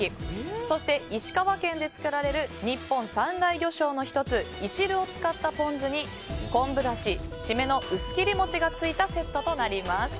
そして、石川県で作られる日本三大魚醤の１ついしるを使ったポン酢に昆布だし締めの薄切り餅がついたセットとなります。